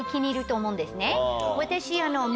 私。